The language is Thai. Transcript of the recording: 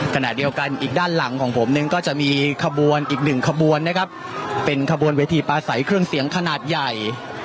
ขณะเดียวกันอีกด้านหลังของผมนั้นก็จะมีขบวนอีกหนึ่งขบวนนะครับเป็นขบวนเวทีปลาใสเครื่องเสียงขนาดใหญ่